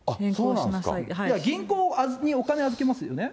銀行にお金預けますよね。